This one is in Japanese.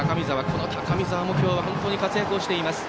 この高見澤も今日は本当に活躍しています。